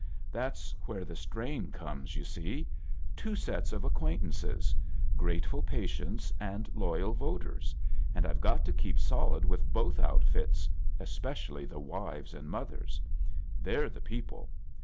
" That's where the strain comes, you see. Two sets of acquaintances — grate ful patients and loyal voters — and I've got to keep solid with both outfits, es pecially the wives and mother. They're the people.